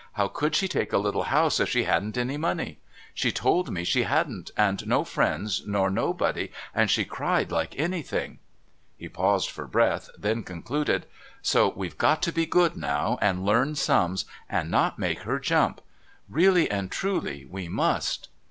"How could she take a little house if she hadn't any money? She told me she hadn't, and no friends, nor nobody, and she cried like anything " He paused for breath, then concluded: "So we've got to be good now, and learn sums, and not make her jump. Really and truly, we must."